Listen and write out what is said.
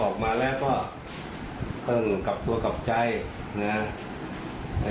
ออกมาแล้วก็เออกลับตัวกลับใจนะฮะ